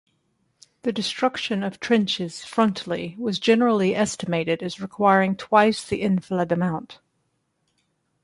The destruction of trenches frontally was generally estimated as requiring twice the enfilade amount.